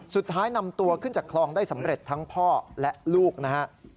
สุดท้ายนำตัวขึ้นจากคลองได้สำเร็จทั้งพ่อและลูกนะฮะ